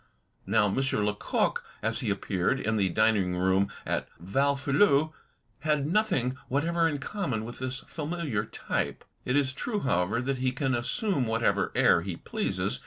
Now M. Lecoq, as he appeared in the dining room at Valfeuillu, had nothing whatever in common with this familiar type. It is true, however, that he can assume whatever air he pleases.